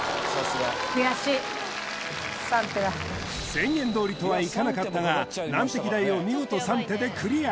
宣言どおりとはいかなかったが難敵台を見事三手でクリア！